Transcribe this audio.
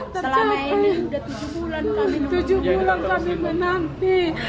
selama ini sudah tujuh bulan kami menanti